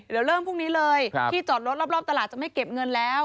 ตลาดที่จอดรถรอบจะไม่เก็บเงินแล้ว